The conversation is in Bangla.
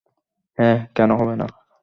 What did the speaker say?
হ্যাঁ, কেন হবে না।